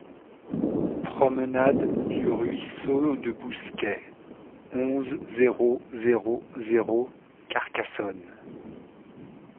Promenade du Ruisseau de Bousquet, onze, zéro zéro zéro Carcassonne